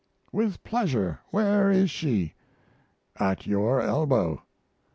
"With pleasure where is she?" "At your elbow."